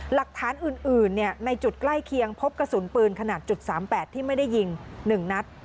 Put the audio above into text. หลักฐานอื่นในจุดใกล้เคียงพบกระสุนปืนขนาด๓๘ที่ไม่ได้ยิง๑นัด